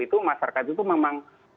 itu masyarakat itu memang